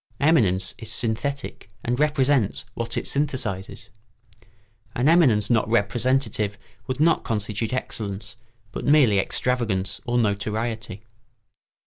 Eminence is synthetic and represents what it synthesises. An eminence not representative would not constitute excellence, but merely extravagance or notoriety.